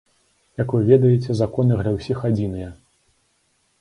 Як вы ведаеце, законы для ўсіх адзіныя.